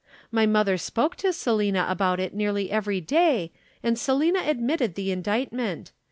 My mother spoke to Selina about it nearly every day and Selina admitted the indictment.